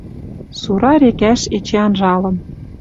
Сура рекӓш эче анжалын